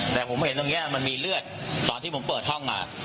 แต่ผมเห็นตรงนี้มันมีเลือดตอนที่ผมเปิดห้อง